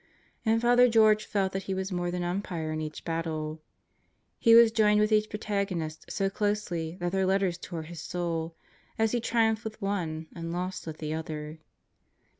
And Father George felt that he was more than umpire in each battle. He was joined with each protagonist so closely that their letters tore his soul as he triumphed with one and lost with the other.